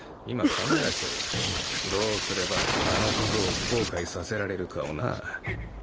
今考えてるどうすればあの小僧を後悔させられるかをな。